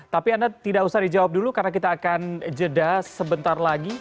tapi anda tidak usah dijawab dulu karena kita akan jeda sebentar lagi